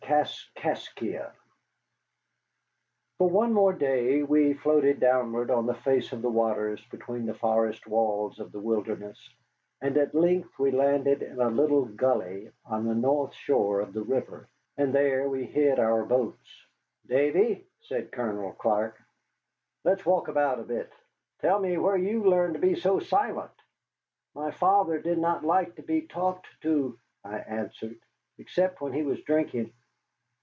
KASKASKIA For one more day we floated downward on the face of the waters between the forest walls of the wilderness, and at length we landed in a little gully on the north shore of the river, and there we hid our boats. "Davy," said Colonel Clark, "let's walk about a bit. Tell me where you learned to be so silent?" "My father did not like to be talked to," I answered, "except when he was drinking."